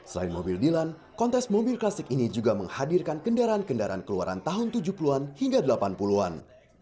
selain mobil dilan kontes mobil klasik ini juga menghadirkan kendaraan kendaraan keluaran tahun tujuh puluh an hingga delapan puluh an